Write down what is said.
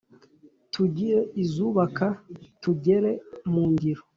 Tugire izubaka tugere mu ngiro